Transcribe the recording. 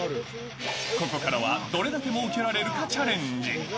ここからはどれだけもうけられるかチャレンジ。